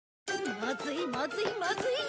まずいまずいまずい！